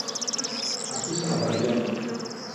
Άρχισα να βαριέμαι